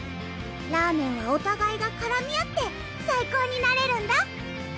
ラーメンはおたがいがからみ合って最高になれるんだ！